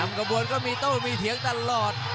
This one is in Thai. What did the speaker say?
กระบวนก็มีโต้มีเถียงตลอด